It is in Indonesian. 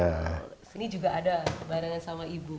di sini juga ada kebarengan sama ibu